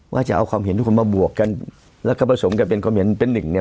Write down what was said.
จะเอาความเห็นทุกคนมาบวกกันแล้วก็ผสมกันเป็นความเห็นเป็นหนึ่งเนี่ย